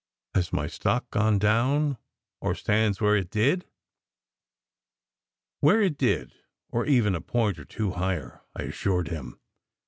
Has my stock gone down, or stands it where it did?" "Where it did, or even a point or two higher," I assured him.